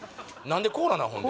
何でコーラなん？